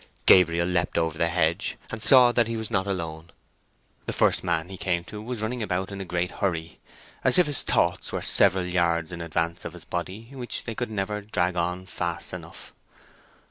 Gabriel leapt over the hedge, and saw that he was not alone. The first man he came to was running about in a great hurry, as if his thoughts were several yards in advance of his body, which they could never drag on fast enough.